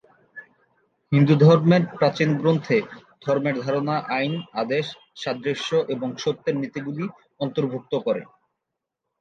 হিন্দুধর্মের প্রাচীন গ্রন্থে, ধর্মের ধারণা আইন, আদেশ, সাদৃশ্য এবং সত্যের নীতিগুলি অন্তর্ভুক্ত করে।